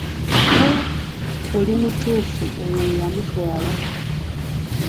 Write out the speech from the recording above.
Oh, oli mutuufu oyo ye yamutwala.